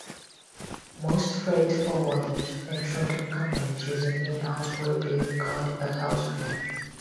Most freight forwarders and trucking companies use an in-house waybill called a house bill.